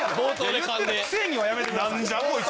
「言ってたくせに」はやめて下さい。